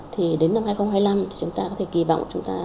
thì đến năm hai nghìn hai mươi năm thì chúng ta có thể kỳ vọng chúng ta